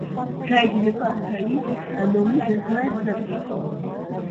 გაედინება აქაიის ნომის დასავლეთ ნაწილში.